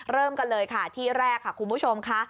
เริ่มกันเลยค่ะที่แรกค่ะคุณผู้ชมค่ะ